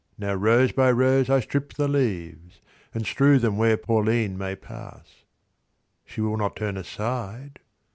Now, rose by rose, I strip the leaves And strew them where Pauline may pass. She will not turn aside?